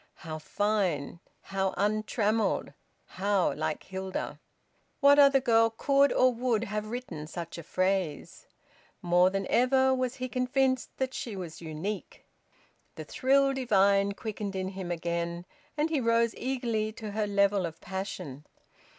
How fine, how untrammelled, how like Hilda! What other girl could or would have written such a phrase? More than ever was he convinced that she was unique. The thrill divine quickened in him again, and he rose eagerly to her level of passion.